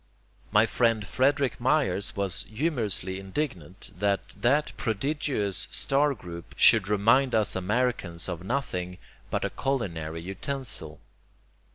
My friend Frederick Myers was humorously indignant that that prodigious star group should remind us Americans of nothing but a culinary utensil.